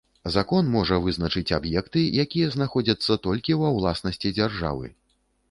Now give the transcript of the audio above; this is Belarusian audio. Закон можа вызначыць аб'екты, якія знаходзяцца толькі ва ўласнасці дзяржавы.